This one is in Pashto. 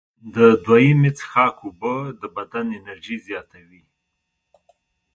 د دویمې څښاک اوبه د بدن انرژي زیاتوي.